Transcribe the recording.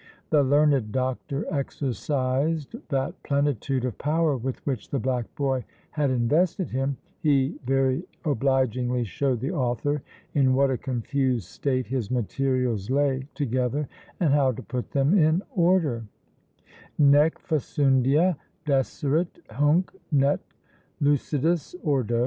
The learned doctor exercised that plenitude of power with which the Black Boy had invested him he very obligingly showed the author in what a confused state his materials lay together, and how to put them in order Nec facundia deseret hunc, nec lucidus ordo.